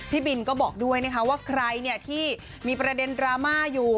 พี่บินก็บอกด้วยนะคะว่าใครที่มีประเด็นดราม่าอยู่